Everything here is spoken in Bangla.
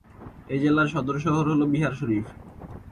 এই জেলার সদর শহর হল বিহার শরিফ।